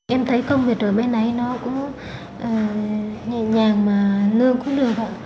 em thấy công việc ở bên ấy nó cũng nhẹ nhàng mà lương cũng được ạ